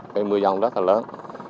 cây mưa dông rất là lớn